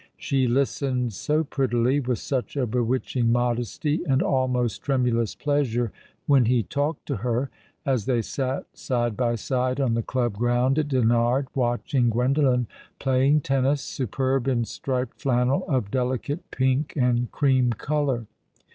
She listened so prettily, with such a bewitching modesty and almost tremulous pleasure, when he talked to her, as they sat side by side on the club ground at Dinard, watching Gwendolen playing tennis, superb in striped flannel of delicate pink and cream colour.